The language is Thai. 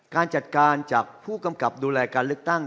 การจัดการจากผู้กำกับดูแลการเลือกตั้ง